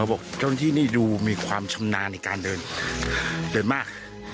บอกเจ้าหน้าที่นี่ดูมีความชำนาญในการเดินเดินมาก